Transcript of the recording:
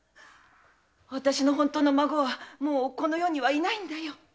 わたしの本当の孫はもうこの世にはいないんだよ！